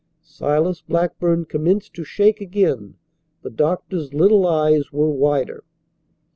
Silas Blackburn commenced to shake again. The doctor's little eyes were wider.